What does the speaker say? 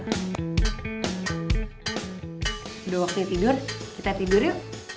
sudah waktunya tidur kita tidur yuk